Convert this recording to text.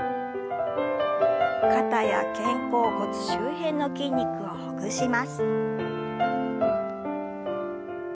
肩や肩甲骨周辺の筋肉をほぐします。